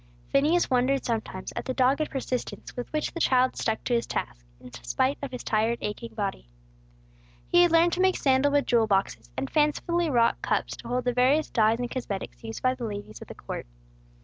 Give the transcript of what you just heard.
Phineas wondered sometimes at the dogged persistence with which the child stuck to his task, in spite of his tired, aching body. He had learned to make sandal wood jewel boxes, and fancifully wrought cups to hold the various dyes and cosmetics used by the ladies of the court.